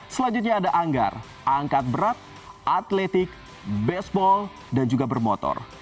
selanjutnya ada anggar angkat berat atletik baseball dan juga bermotor